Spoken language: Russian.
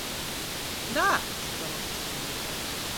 «Да! – сказал он с веселым видом.